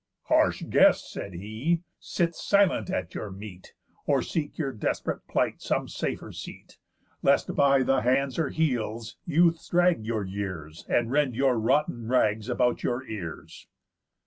"Harsh guest," said he, "sit silent at your meat, Or seek your desp'rate plight some safer seat, Lest by the hands or heels youths drag your years, And rend your rotten rags about your ears."